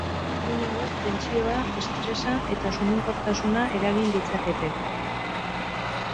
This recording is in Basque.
Min hauek tentsioa, estresa eta suminkortasuna eragin ditzakete.